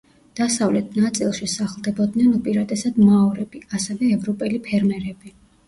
დასავლეთ ნაწილში სახლდებოდნენ უპირატესად მაორები, ასევე ევროპელი ფერმერები.